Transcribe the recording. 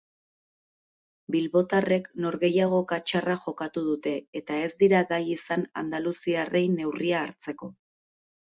Bilbotarrek norgehiagoka txarra jokatu dute eta ez dira gai izan andaluziarrei neurria hartzeko.